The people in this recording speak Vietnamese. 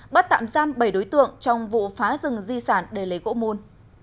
bắt tạm giam bảy đối tượng trong vụ phá rừng di sản để lấy gỗ môn